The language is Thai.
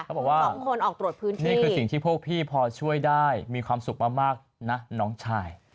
เขาบอกว่านี่คือสิ่งที่พวกพี่พอช่วยได้มีความสุขมากนะน้องชาย